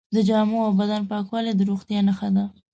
د جامو او بدن پاکوالی د روغتیا نښه ده.